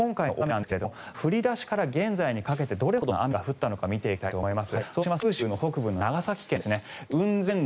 今回の大雨なんですが降り出しから現在にかけてどれだけの雨が降ったのか見ていきたいと思います。